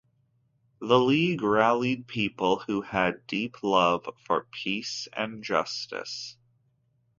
The League rallied people who had deep love for peace and justice.